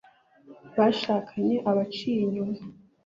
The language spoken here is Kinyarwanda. bashakanye aba aciye inyuma